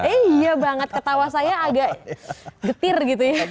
iya banget ketawa saya agak getir gitu ya